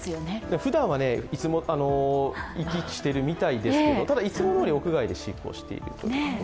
ふだんは生き生きしてるみたいですけど、ただ、いつもどおり屋外で飼育をしているそうです。